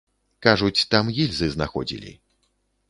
Кажуць, там гільзы знаходзілі.